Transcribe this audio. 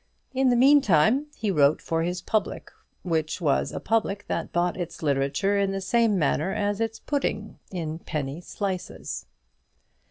In the meantime he wrote for his public, which was a public that bought its literature in the same manner as its pudding in penny slices.